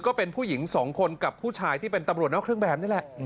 ก็เป็นผู้หญิงสองคนกับผู้ชายที่เป็นตำรวจนอกเครื่องแบบนี่แหละ